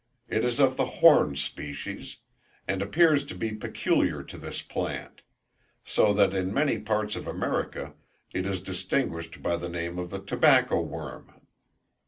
It is of the horned species, and appears to be peculiar to this plant; so that in many parts of America it is distinguished by the name of the Tobacco Worm.